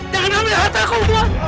jangan ambil harta ku tuhan